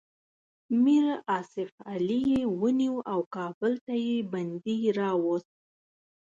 میر آصف علي یې ونیو او کابل ته یې بندي راووست.